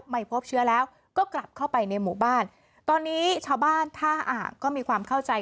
ไม่พบเชื้อแล้วก็กลับเข้าไปในหมู่บ้านตอนนี้ชาวบ้านท่าอ่างก็มีความเข้าใจ